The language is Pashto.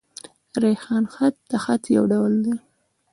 ریحان خط؛ د خط يو ډول دﺉ.